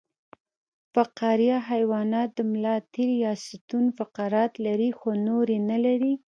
فقاریه حیوانات د ملا تیر یا ستون فقرات لري خو نور یې نلري